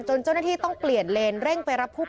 จนเจ้นและที่เต้นเปลี่ยนเลนเร่ง